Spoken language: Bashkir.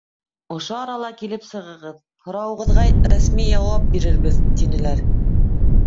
«Ошо арала килеп сығығыҙ, һорауығыҙға рәсми яуап бирербеҙ», тинеләр.